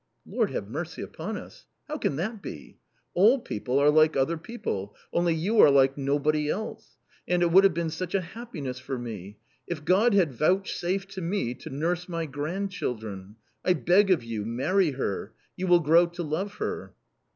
" Lord have mercy upon us ! How can that be ? All people are like other people, only you are like nobody else ! And it would have been such a happiness for me ! if God had vouchsafed to me to nurse my grandchildren ! I beg of you, marry her ; you will grow to love her."